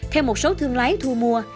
theo một số thương lái thu mua